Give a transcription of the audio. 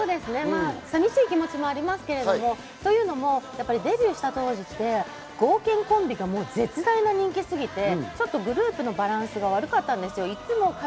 さみしい気持ちもありますけど、デビューした当時は剛健コンビが絶大な人気すぎてグループのバランスが悪かったんです。